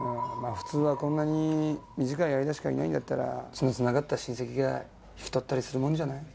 普通はこんなに短い間しかいないんだったら血のつながった親戚が引き取ったりするもんじゃない？